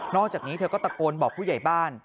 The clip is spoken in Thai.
อกจากนี้เธอก็ตะโกนบอกผู้ใหญ่บ้าน